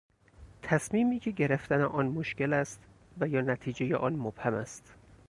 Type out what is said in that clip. تصمیمی که گرفتن آن مشکل است و یا نتیجهی آن مبهم است